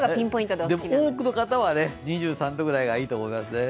多くの方は２３度ぐらいがいいと思いますね。